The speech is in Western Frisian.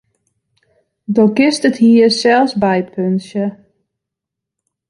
Do kinst it hier sels bypuntsje.